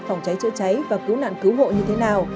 phòng cháy chữa cháy và cứu nạn cứu hộ như thế nào